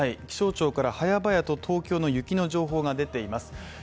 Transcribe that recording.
気象庁からはやばやと東京の雪の情報が出ています。